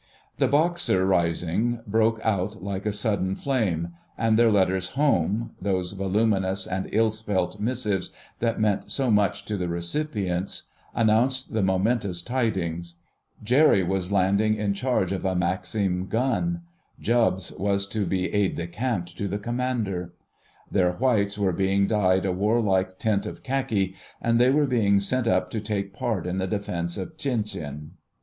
The Boxer rising broke out like a sudden flame, and their letters home, those voluminous and ill spelt missives that meant so much to the recipients, announced the momentous tidings. Jerry was landing in charge of a maxim gun; Jubbs was to be aide de camp to the Commander. Their whites were being dyed a warlike tint of khaki, and they were being sent up to take part in the defence of Tientsin.